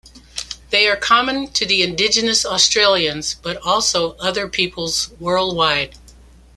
They are common to the Indigenous Australians but also other peoples worldwide.